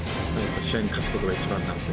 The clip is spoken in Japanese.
試合に勝つことが一番なので。